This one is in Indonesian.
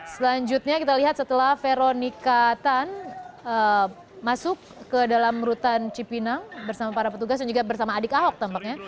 selanjutnya kita lihat setelah veronica tan masuk ke dalam rutan cipinang bersama para petugas dan juga bersama adik ahok tampaknya